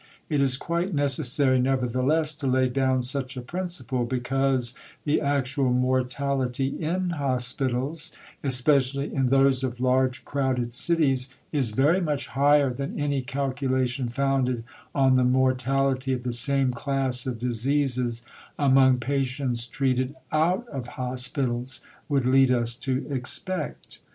It is quite necessary, nevertheless, to lay down such a principle, because the actual mortality in hospitals, especially in those of large crowded cities, is very much higher than any calculation founded on the mortality of the same class of diseases among patients treated out of hospitals would lead us to expect.